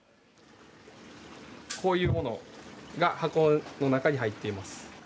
こういう物が箱の中に入っています。